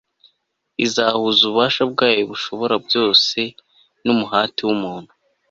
izahuza ububasha bwayo bushobora byose numuhati wumuntu